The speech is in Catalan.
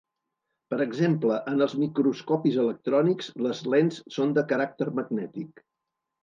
Per exemple, en els microscopis electrònics les lents són de caràcter magnètic.